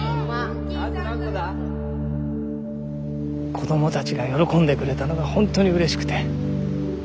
子どもたちが喜んでくれたのがホントにうれしくて。